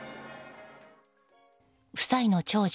夫妻の長女